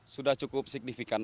sudah cukup signifikan